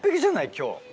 今日。